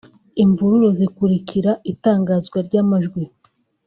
imvururu zikurikira itangazwa ry’amajwi